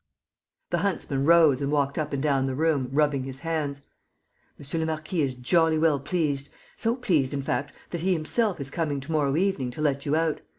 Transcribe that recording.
The huntsman rose and walked up and down the room, rubbing his hands: "Monsieur le marquis is jolly well pleased, so pleased, in fact, that he himself is coming to morrow evening to let you out.